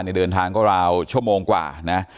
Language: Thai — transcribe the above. ที่มีข่าวเรื่องน้องหายตัว